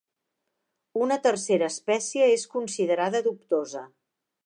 Una tercera espècie és considerada dubtosa.